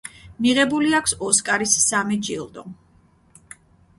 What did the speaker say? მიღებული აქვს ოსკარის სამი ჯილდო.